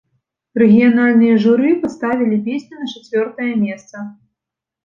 Рэгіянальныя журы паставілі песню на чацвёртае месца.